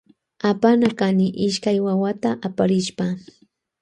Apana kany ishkay wawata aparishpa.